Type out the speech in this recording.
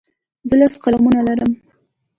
زه لس قلمونه لرم.